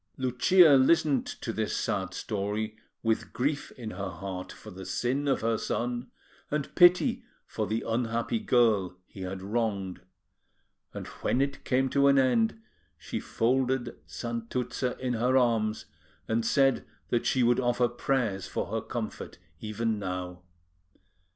Lucia listened to this sad story with grief in her heart for the sin of her son, and pity for the unhappy girl he had wronged; and when it came to an end, she folded Santuzza in her arms, and said that she would offer prayers for her comfort even now.